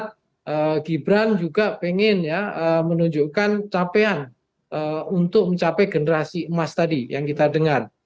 kemudian juga saya lihat gibran juga pengen ya menunjukkan capaian untuk mencapai generasi emas tadi yang kita dengar